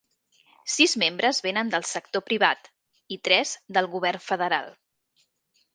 Sis membres venen del sector privat i tres del govern federal.